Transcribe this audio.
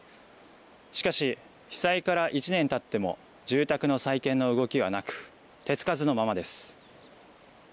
しかし、被災から１年たっても住宅の再建の動きはなく、手付かずのままです。